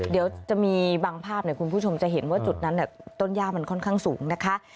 เดี๋ยวจะมีบางภาพคุณผู้ชมจะเห็นว่าจุดนั้นต้นย่ามันค่อนข้างสูงนะคะ